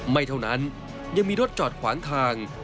ไม่เท่านั้นยังมีรถจอดขวางทาง